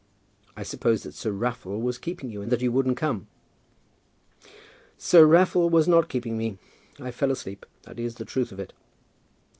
I supposed that Sir Raffle was keeping you and that you wouldn't come." "Sir Raffle was not keeping me. I fell asleep. That is the truth of it."